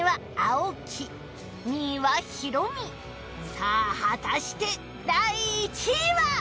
さぁ果たして第１位は？